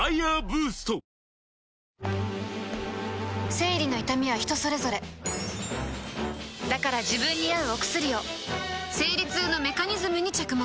生理の痛みは人それぞれだから自分に合うお薬を生理痛のメカニズムに着目